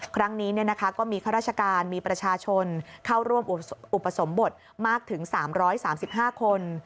ครั้งนี้ก็มีข้าราชการมีประชาชนเข้าร่วมอุปสมบทมากถึง๓๓๕คน